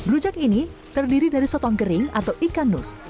rujak ini terdiri dari sotong kering atau ikan nus